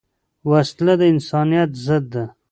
وسله د انسانیت ضد ده